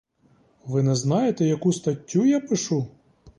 Ви не знаєте, яку статтю я пишу?